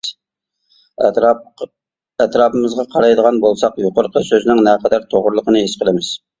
ئەتراپىمىزغا قارايدىغان بولساق يۇقىرىقى سۆزنىڭ نەقەدەر توغرىلىقىنى ھېس قىلىمىز.